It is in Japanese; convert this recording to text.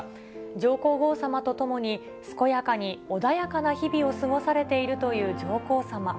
上皇后さまと共に、健やかに穏やかな日々を過ごされているという上皇さま。